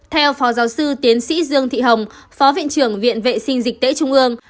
theo phó giáo sư tiến sĩ dương thị hồng phó viện trưởng viện vệ sinh dịch tễ trung ương